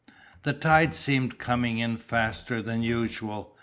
The tide seemed coming in faster than usual.